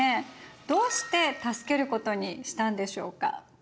どうして助けることにしたんでしょうか。